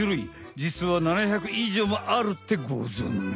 じつは７００以上もあるってごぞんじ？